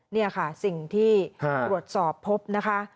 นี่ค่ะสิ่งที่ตรวจสอบพบนะคะ